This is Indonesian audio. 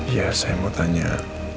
ya saya mau tanya